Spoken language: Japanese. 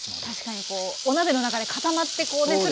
確かにこうお鍋の中で固まってこうね。